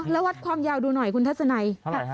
แล้ววัดความยาวดูหน่อยคุณทัศนัย